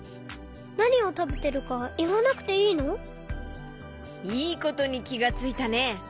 なにをたべてるかいわなくていいの？いいことにきがついたね！